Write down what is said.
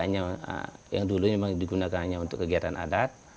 yang dulu memang digunakan hanya untuk kegiatan adat